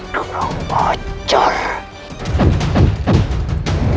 kau akan dibunuh